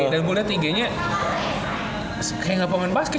dan gue liat ig nya kayak gak pemain basket